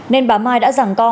nên bà mai đã rằng co